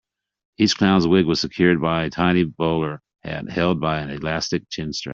Each clown's wig was secured by a tiny bowler hat held by an elastic chin-strap.